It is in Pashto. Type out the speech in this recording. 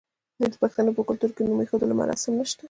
آیا د پښتنو په کلتور کې د نوم ایښودلو مراسم نشته؟